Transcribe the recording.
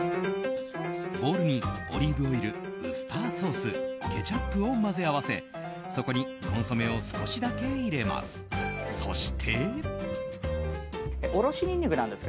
ボウルにオリーブオイルウスターソースケチャップを混ぜ合わせそこにコンソメを少しだけ入れます。